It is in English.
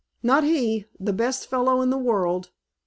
"Not he. The best fellow in the world.